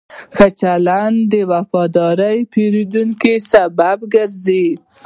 ښه چلند د وفادار پیرودونکو سبب کېږي.